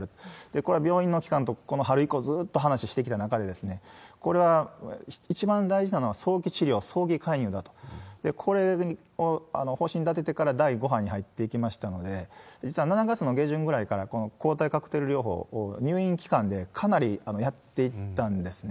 これは病院の機関とこの春以降、ずーっと話してきた中で、これは一番大事なのは、早期治療、早期介入だと。これを方針立ててから第５波に入っていきましたので、実は７月の下旬ぐらいからこの抗体カクテル療法、入院期間でかなりやっていったんですね。